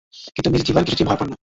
কিন্তু Miss Divine কিছুতেই ভয় পান না।